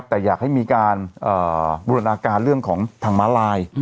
แต่อยากให้มีการอ่าบุญรักษ์การเรื่องของทางมาราย